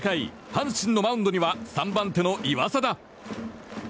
阪神のマウンドには３番手の岩貞。